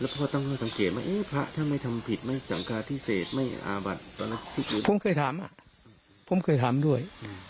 ผมเคยถามอ่ะผมเคยถามด้วย